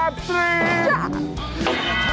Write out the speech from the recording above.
ศีรษะ